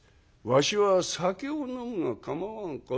「わしは酒を飲むが構わんか？」。